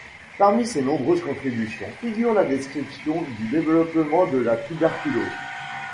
Parmi ses nombreuses contributions, figure la description du développement de la tuberculose.